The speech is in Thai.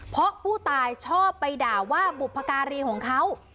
เพราะผู้ตายชอบไปด่าว่าบุพการีของเขา